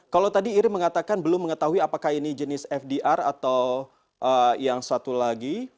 kalau tadi iri mengatakan belum mengetahui apakah ini jenis fdr atau yang satu lagi